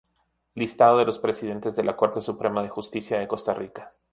Listado de los Presidentes de la Corte Suprema de Justicia de Costa Rica